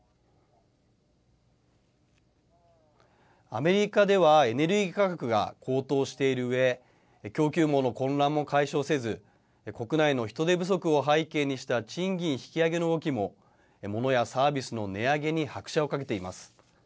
アメリカでは、エネルギー価格が高騰しているうえ、供給網の混乱も解消せず、国内の人手不足を背景にした賃金引き上げの動きも、ものやサービスの値上げに拍車をかけています。